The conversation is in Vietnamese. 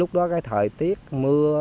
lúc đó cái thời tiết mưa